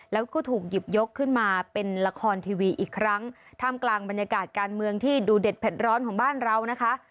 แล้วก็ถูกหยิบยกขึ้นมาเป็นละครทีวีอีกครั้งท่ามกลางบรรยากาศการเมืองที่ดูเด็ดเผ็ดร้อนของบ้านเรานะคะ